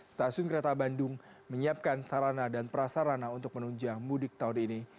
stasiun kereta bandung menyiapkan sarana dan prasarana untuk menunjang mudik tahun ini